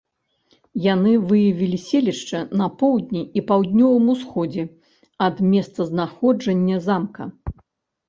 Яны выявілі селішча на поўдні і паўднёвым усходзе ад месцазнаходжання замка.